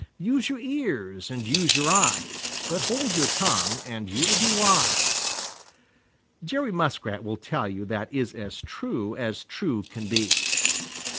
Use your ears and use your eyes, But hold your tongue and you'll be wise. Jerry Muskrat will tell you that is as true as true can be.